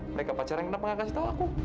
mereka pacaran kenapa gak kasih tahu aku